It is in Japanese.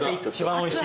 おいしい？